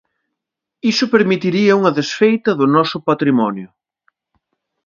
Iso permitiría unha desfeita do noso patrimonio.